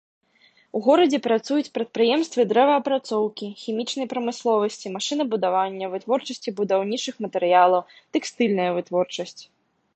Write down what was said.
У горадзе працуюць прадпрыемствы дрэваапрацоўкі, хімічнай прамысловасці, машынабудавання, вытворчасці будаўнічых матэрыялаў, тэкстыльная вытворчасць.